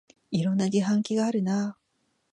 いろんな自販機があるなあ